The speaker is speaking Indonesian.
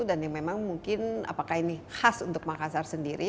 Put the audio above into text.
dan memang mungkin apakah ini khas untuk makassar sendiri